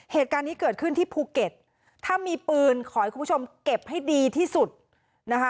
เหตุการณ์นี้เกิดขึ้นที่ภูเก็ตถ้ามีปืนขอให้คุณผู้ชมเก็บให้ดีที่สุดนะคะ